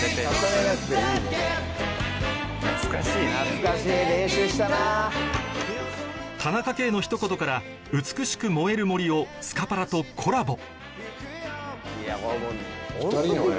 見えていた田中圭のひと言から『美しく燃える森』をスカパラとコラボ